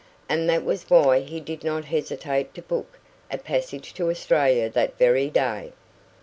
And that was why he did not hesitate to book a passage to Australia that very day.